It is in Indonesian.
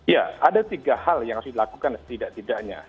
ya ada tiga hal yang harus dilakukan setidak tidaknya